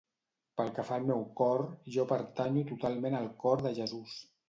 Pel que fa al meu cor, jo pertanyo totalment al Cor de Jesús.